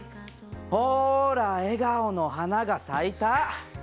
ほーら、笑顔の花が咲いた。